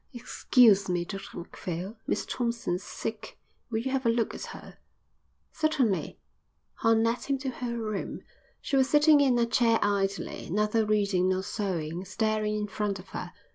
"Excuse me, Dr Macphail, Miss Thompson's sick. Will you have a look at her." "Certainly." Horn led him to her room. She was sitting in a chair idly, neither reading nor sewing, staring in front of her.